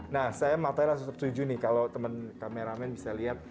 nah saya maksudnya setuju nih kalau temen kameramen bisa lihat